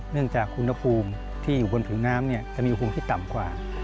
เนื่องจากอุณหภูมิที่อยู่บนผิวน้ำจะมีอุณหภูมิที่ต่ำกว่า